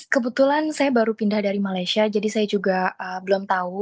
kebetulan saya baru pindah dari malaysia jadi saya juga belum tahu